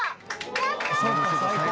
やったー！